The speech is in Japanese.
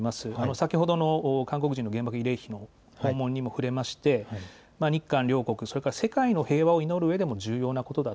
先ほどの韓国人の原爆慰霊碑の訪問にも触れまして、日韓両国、それから世界の平和を祈るうえでも重要なことだと。